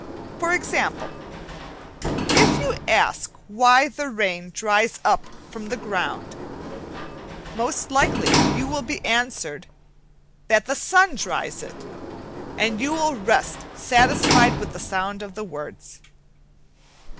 For example, if you ask why the rain dries up from the ground, most likely you will be answered, "that the sun dries it," and you will rest satisfied with the sound of the words.